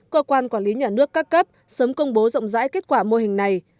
cơ quan quản lý nhà nước các cấp sớm công bố rộng rãi kết quả mô hình này